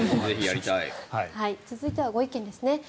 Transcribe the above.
続いてはご意見ですね。